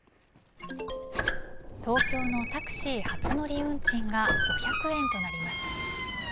東京のタクシー初乗り運賃が５００円となります。